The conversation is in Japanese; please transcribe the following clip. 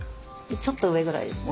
ちょっと上ぐらいですね。